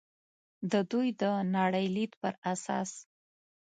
د دوی د نړۍ لید پر اساس.